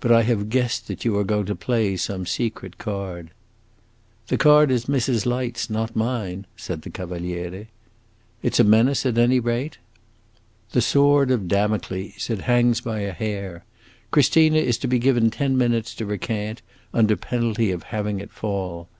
But I have guessed that you are going to play some secret card." "The card is Mrs. Light's, not mine," said the Cavaliere. "It 's a menace, at any rate?" "The sword of Damocles! It hangs by a hair. Christina is to be given ten minutes to recant, under penalty of having it fall.